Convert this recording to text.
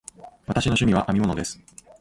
私の趣味は編み物です。